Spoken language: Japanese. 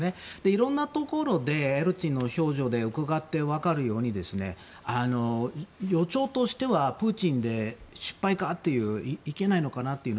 いろいろなところでエリツィンの表情をうかがって分かるように予兆としてはプーチンで失敗かといけないのかなという。